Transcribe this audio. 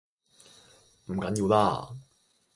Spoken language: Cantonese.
唔緊要啦